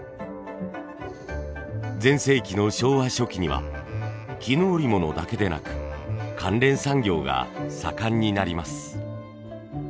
全盛期の昭和初期には絹織物だけでなく関連産業が盛んになります。